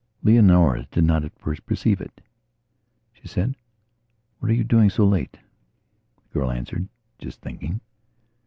Leonora did not at first perceive it. She said: "What are you doing so late?" The girl answered: "Just thinking."